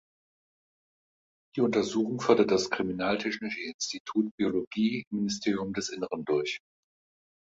Die Untersuchung führte das Kriminaltechnische Institut Biologie im Ministerium des Innern durch.